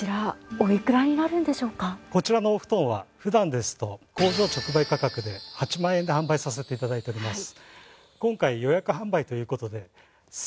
こちらのお布団は普段ですと工場直売価格で８万円で販売させて頂いております。